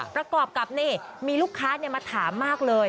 ประกอบกับนี่มีลูกค้ามาถามมากเลย